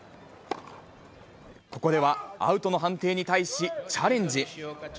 ここではアウトの判定に対し、チャレンジ。